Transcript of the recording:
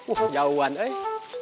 uh jauhan eh